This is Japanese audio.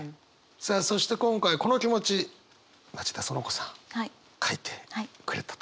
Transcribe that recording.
さあそして今回この気持ち町田そのこさん書いてくれたということで。